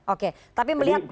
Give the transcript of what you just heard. oke tapi melihat